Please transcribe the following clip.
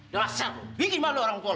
dasar lu bikin malu orang tua lu